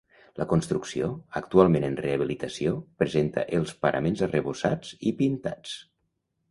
La construcció, actualment en rehabilitació, presenta els paraments arrebossats i pintats.